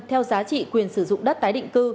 theo giá trị quyền sử dụng đất tái định cư